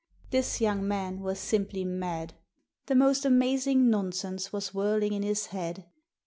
This young man was simply mad. The most amazing nonsense was whirling in his head.